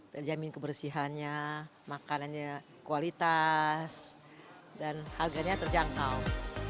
terjamin kebersihannya makanannya kualitas dan harganya terjangkau